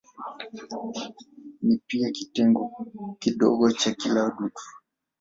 Ni pia kitengo kidogo cha kila dutu.